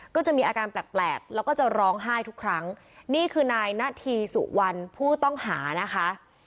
ก็จะมีอาการแปลกแปลกแล้วก็จะร้องไห้ทุกครั้งนี่คือนายนาธีสุวรรณผู้ต้องหานะคะ